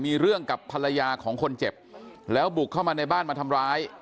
มีเรื่องกับภรรยาของคนเจ็บแล้วบุกเข้ามาในบ้านมาทำร้าย